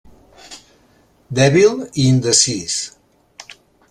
Dèbil i indecís.